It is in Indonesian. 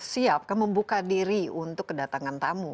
siap kan membuka diri untuk kedatangan tamu